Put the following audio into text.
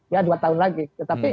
ya dua tahun lagi tetapi